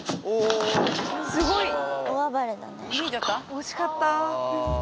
惜しかった。